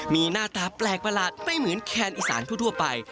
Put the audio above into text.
มีหน้าตาแปลกประหลาดไม่เหมือนแคนอีสานทั่วไป